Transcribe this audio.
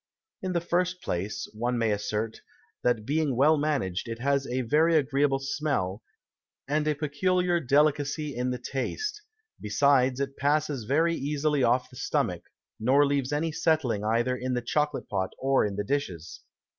In the first place, one may assert, that being well managed, it has a very agreeable Smell, and a peculiar Delicacy in the Taste; besides, it passes very easily off the Stomach, nor leaves any Settling either in the Chocolate Pot, or in the Dishes.